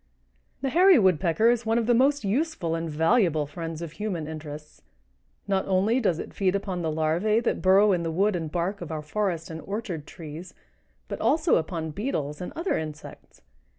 The Hairy Woodpecker is one of the most useful and valuable friends of human interests. Not only does it feed upon the larvæ that burrow in the wood and bark of our forest and orchard trees, but also upon beetles and other insects.